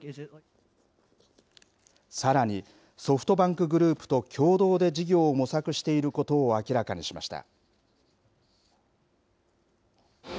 さらにソフトバンクグループと共同で事業を模索していることを明らかにしました。